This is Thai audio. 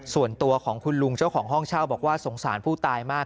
ส่วนตัวของคุณลุงเจ้าของห้องเช่าบอกว่าสงสารผู้ตายมาก